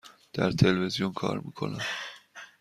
در تلویزیون کار می کنم.